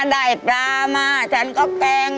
ได้ปลามาฉันก็แกง